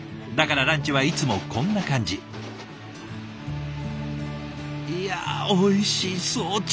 だからランチはいつもこんな感じ。いやおいしそう。